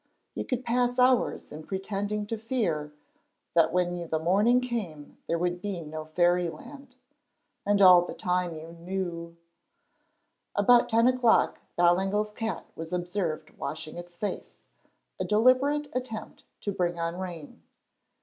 You could pass hours in pretending to fear that when the morning came there would be no fairyland. And all the time you knew. About ten o'clock Ballingall's cat was observed washing its face, a deliberate attempt to bring on rain.